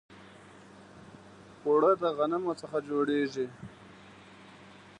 اوړه د غنمو څخه جوړیږي